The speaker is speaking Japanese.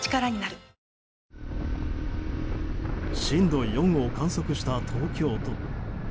震度４を観測した東京都。